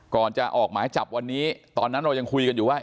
ก่อนจะออกหมายจับวันนี้ตอนนั้นเรายังคุยกันอยู่ว่า